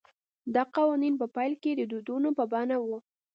دا قوانین په پیل کې د دودونو په بڼه وو